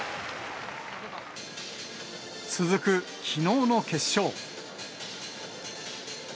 続くきのうの決勝。